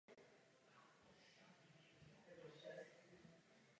Vytvořil také řadu vynikajících portrétních rytin podle svých vlastních kreseb.